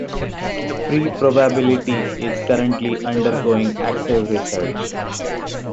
Free probability is currently undergoing active research.